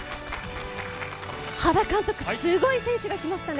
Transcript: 原監督、すごい選手が来ましたね。